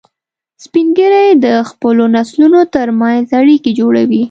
سپین ږیری د خپلو نسلونو تر منځ اړیکې جوړوي